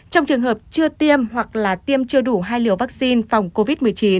trong trường hợp chưa tiêm hoặc là tiêm chưa đủ hai liều vaccine phòng covid một mươi chín